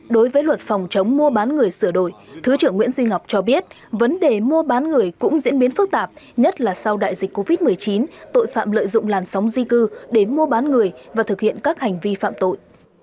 đối với luật phòng chống mua bán người sửa đổi thứ trưởng nguyễn duy ngọc cho biết vấn đề mua bán người cũng diễn biến phức tạp nhất là sau đại dịch covid một mươi chín tội phạm lợi dụng làn sóng di cư để mua bán người và thực hiện các hành vi phạm tội